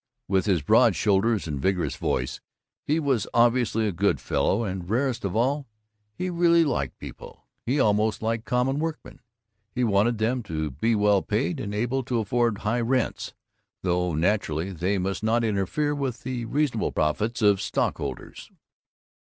With his broad shoulders and vigorous voice, he was obviously a Good Fellow; and, rarest of all, he really liked people. He almost liked common workmen. He wanted them to be well paid, and able to afford high rents though, naturally, they must not interfere with the reasonable profits of stockholders.